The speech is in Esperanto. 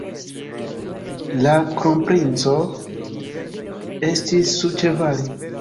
La kronprinco estis surĉevale.